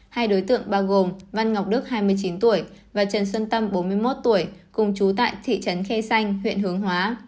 hai đối tượng bao gồm văn ngọc đức hai mươi chín tuổi và trần xuân tâm bốn mươi một tuổi cùng chú tại thị trấn khe xanh huyện hướng hóa